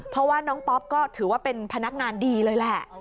เพราะว่าน้องป๊อปก็ถือว่าเป็นพนักงานดีเลยแหละ